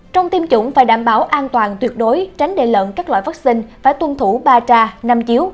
trong tiêm chủng phải đảm bảo an toàn tuyệt đối tránh để lợn các loại vaccine phải tuân thủ ba tra năm chiếu